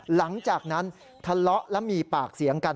หลังจากนั้นทะเลาะและมีปากเสียงกัน